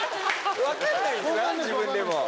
分かんないんだな自分でも。